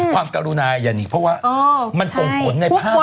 ความการุนาอย่างนี้เพราะว่ามันตรงผลในภาพ